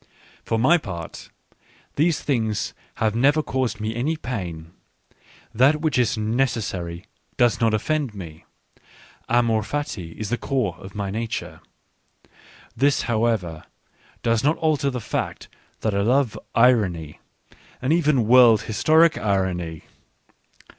For my part, these things have never caused me any pain ; that which is necessary does not offend me. Amor fati is the core of my nature. This, however, does not alter the fact that I love irony and even world historic irony.